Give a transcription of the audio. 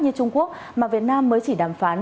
như trung quốc mà việt nam mới chỉ đàm phán